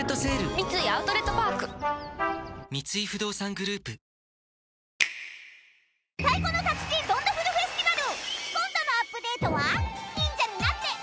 三井アウトレットパーク三井不動産グループあたらしいプレモル！